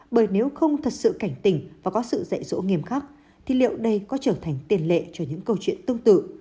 bởi nếu không thật sự cảnh tỉnh và có sự dạy dỗ nghiêm khắc thì liệu đây có trở thành tiền lệ cho những câu chuyện tương tự